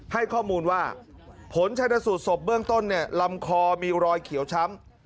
ให้ข้อมูลว่าผลชัดสุดศพเบื้องต้นลำคอมีรอยเขี่ยวช้ำ